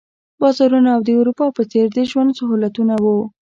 بازارونه او د اروپا په څېر د ژوند سهولتونه وو.